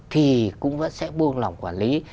thì cũng vẫn sẽ buông lỏng quản lý